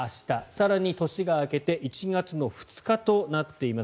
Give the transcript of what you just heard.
更に年が明けて１月２日となっています。